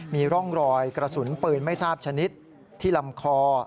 มีร่องรอยกระสุนปืนไม่ทราบชนิดที่ลำคอ